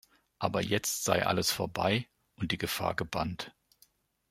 Aber jetzt sei alles vorbei und die Gefahr gebannt.